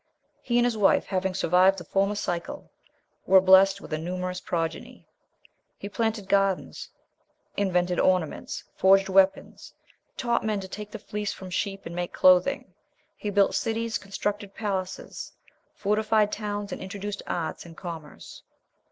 He and his wife having survived the former cycle, were blessed with a numerous progeny; he planted gardens, invented ornaments, forged weapons, taught men to take the fleece from sheep and make clothing; he built cities, constructed palaces, fortified towns, and introduced arts and commerce."